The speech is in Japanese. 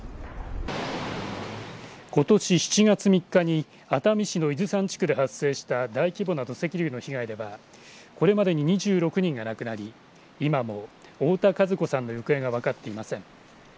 ことし７月３日に熱海市の伊豆山地区で発生した大規模な土石流の被害ではこれまでに２６人が亡くなり今も太田和子さんの行方が分かっていません。